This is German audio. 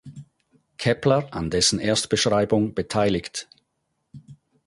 Kepler an dessen Erstbeschreibung beteiligt.